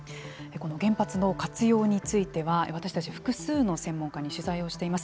この原発の活用については私たち複数の専門家に取材をしています。